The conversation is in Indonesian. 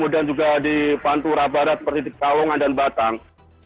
dan juga di pantura barat seperti di kawongan dan batang